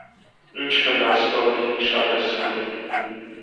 ի՛նչ վնաս, որ գինի շատ է սիրում.